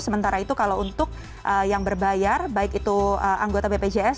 sementara itu kalau untuk yang berbayar baik itu anggota bpjs